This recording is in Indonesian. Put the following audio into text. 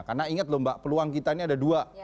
karena ingat lho mbak peluang kita ini ada dua